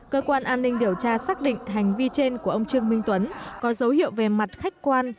cơ quan an ninh điều tra xác định hành vi trên của ông trương minh tuấn có dấu hiệu về mặt khách quan